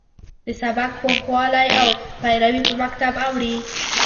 د سبک پوخوالی او پیروي په مکتب اوړي.